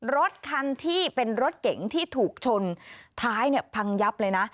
รถคันที่เป็นรถเก๋งที่ถูกชนท้ายเนี่ยพังยับเลยนะ